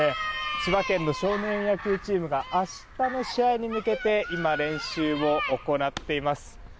千葉県の少年野球チームが明日の試合に向けて今、練習を行っています。